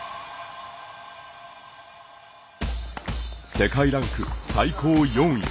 世界ランク最高４位。